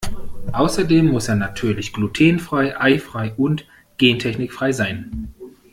Außerdem muss er natürlich glutenfrei, eifrei und gentechnikfrei sein.